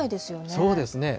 そうですね。